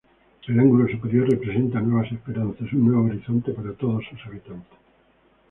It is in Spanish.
El ángulo superior, representa nuevas esperanzas, un nuevo horizonte para todos sus habitantes.